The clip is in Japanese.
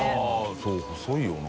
そう細いよな。